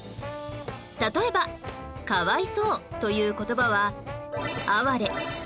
例えば「かわいそう」という言葉は